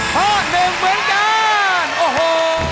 ข้อหนึ่งเหมือนกันโอ้โห